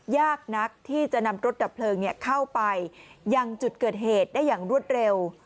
ยากนักที่จะนำรถดับเพลิงเข้าไปยังจุดเกิดเหตุได้อย่างรวดเร็ว